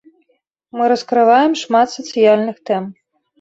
Мы раскрываем шмат сацыяльных тэм.